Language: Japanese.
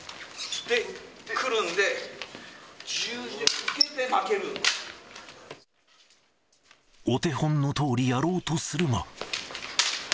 で、お手本のとおりやろうとするが。